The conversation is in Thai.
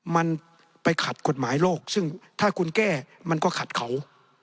มันไปขัดกฎหมายโลกซึ่งถ้าคุณแก้มันก็ขัดเขา